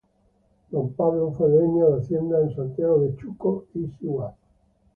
Don Pablo fue dueño de haciendas en Santiago de Chuco y Sihuas.